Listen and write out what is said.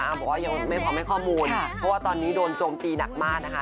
บอกว่ายังไม่พร้อมให้ข้อมูลเพราะว่าตอนนี้โดนโจมตีหนักมากนะคะ